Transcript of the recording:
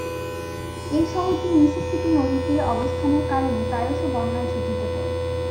এই শহরটি মিসিসিপি নদীর তীরে অবস্থানের কারণে প্রায়শ বন্যার ঝুঁকিতে পড়ে।